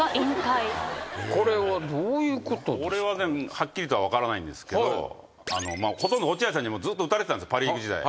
はっきりとは分からないんですけどほとんど落合さんにずっと打たれてたんですパ・リーグ時代。